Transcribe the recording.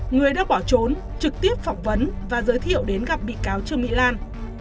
người đã bỏ trốn trực tiếp phỏng vấn và giới thiệu đến gặp bị cáo trương mỹ lan